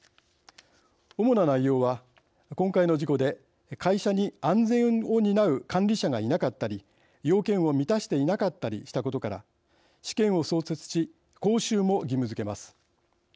主な内容は今回の事故で会社に安全を担う管理者がいなかったり要件を満たしていなかったりしたことから試験を創設し講習も義務づけます。